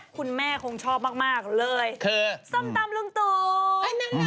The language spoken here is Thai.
คือส้มตำรุงตูน